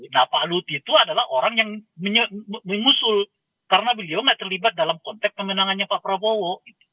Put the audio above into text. nah pak lut itu adalah orang yang mengusul karena beliau tidak terlibat dalam konteks pemenangannya pak prabowo